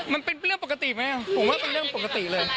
มันเป็นเรื่องปกติไหมผมว่าเป็นเรื่องปกติเลย